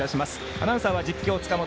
アナウンサーは実況が、塚本。